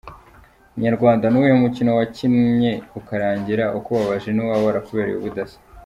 Inyarwanda: Ni uwuhe mukino wakinnye ukarangira ukubabaje n’uwaba warakubereye ubudasa?.